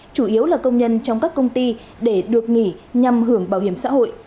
chủ yếu là công nhân trong các công ty để được nghỉ nhằm hưởng bảo hiểm xã hội